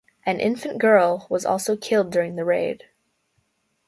An infant girl was also killed during the raid.